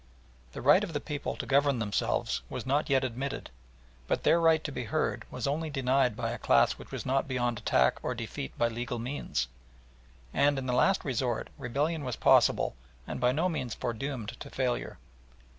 The right of the people to govern themselves was not yet admitted, but their right to be heard was only denied by a class which was not beyond attack or defeat by legal means, and in the last resort rebellion was possible and by no means foredoomed to failure.